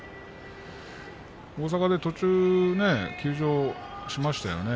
大阪で途中休場しましたよね